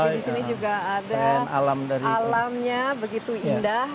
tapi disini juga ada alamnya begitu indah